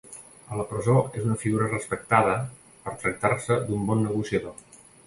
A la presó és una figura respectada per tractar-se d'un bon negociador.